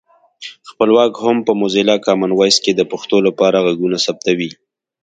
خپلواک هم په موزیلا کامن وایس کې د پښتو لپاره غږونه ثبتوي